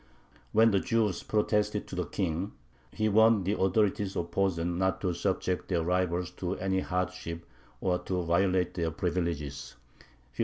When the Jews protested to the King, he warned the authorities of Posen not to subject their rivals to any hardships or to violate their privileges (1517).